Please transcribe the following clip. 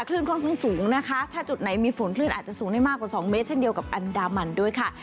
คลื่นค่อนข้างสูงนะคะถ้าจุดไหนมีฝนคลื่นอาจจะสูงได้มากกว่าสองเมตรเช่นเดียวกับอันดามันด้วยค่ะ